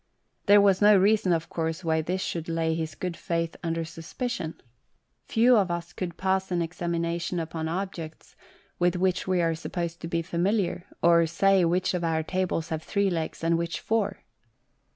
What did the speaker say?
There was no reason, of course, why this should lay his good faith under suspicion. Few of us could pass an examination upon objects with 99 GHOST TALES. which we are supposed to be familiar, or say which of our tables have three legs, and which four.